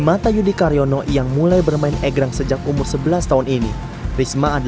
makanya kami ingin mencoba dan menunjukkan hanya ini biar bisa bicara